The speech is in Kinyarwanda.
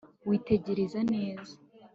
witegereze neza